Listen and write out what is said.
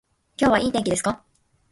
今日はいい天気ですか